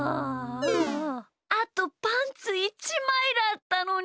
あとパンツ１まいだったのに。